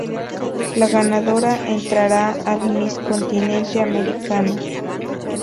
La ganadora entrara al Miss Continente Americano.